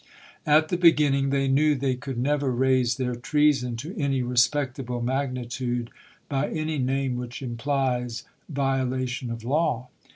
At the beginning, they knew they could never raise their treason to any respectable magnitude by any name which implies violation of law.